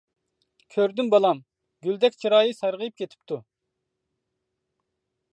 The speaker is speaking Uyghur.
-كۆردۈم بالام، گۈلدەك چىرايى سارغىيىپ كېتىپتۇ.